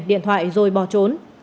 điện thoại rồi bỏ trốn